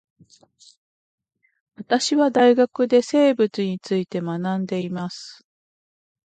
私は大学で生物について学んでいます